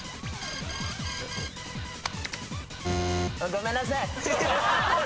ごめんなさい。